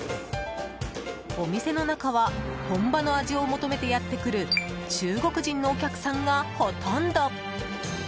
お店の中は本場の味を求めてやってくる中国人のお客さんがほとんど。